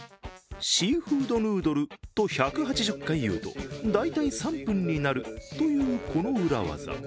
「シーフードヌードル」と１８０回言うと大体３分になるという、この裏技。